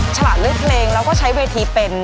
ฉลาดเลือกเพลงแล้วก็ใช้เวทีเป็น